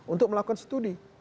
untuk melakukan studi